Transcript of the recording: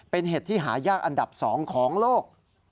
เป็นเห็ดที่หายากอันดับ๒ของโลก